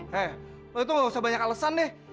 hei lo itu gak usah banyak alesan deh